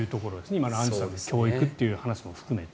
今のアンジュさんの教育という話も含めて。